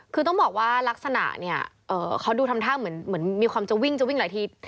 คือต้องบอกว่าลักษณะเนี่ยเขาดูทำท่าเหมือนมีความจะวิ่งจะวิ่งหลายที